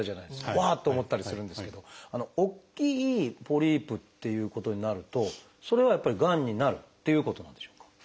うわっ！と思ったりするんですけど大きいポリープっていうことになるとそれはやっぱりがんになるっていうことなんでしょうか？